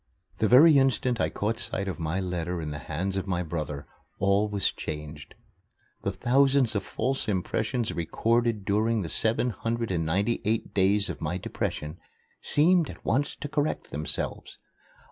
The very instant I caught sight of my letter in the hands of my brother, all was changed. The thousands of false impressions recorded during the seven hundred and ninety eight days of my depression seemed at once to correct themselves.